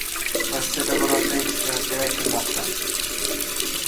Rossiyada vrachlar yetishmayotgani aytilmoqda